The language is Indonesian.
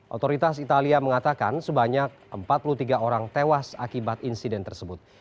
otoritas italia mengatakan sebanyak empat puluh tiga orang tewas akibat insiden tersebut